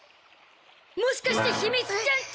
もしかしてひみつちゃんって。